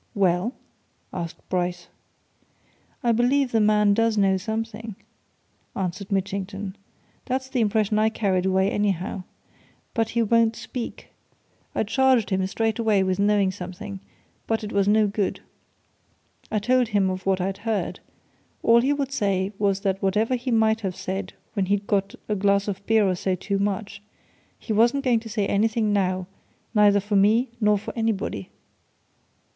"Well?" asked Bryce. "I believe the man does know something," answered Mitchington. "That's the impression I carried away, anyhow. But he won't speak. I charged him straight out with knowing something but it was no good. I told him of what I'd heard. All he would say was that whatever he might have said when he'd got a glass of beer or so too much, he wasn't going to say anything now neither for me nor for anybody!"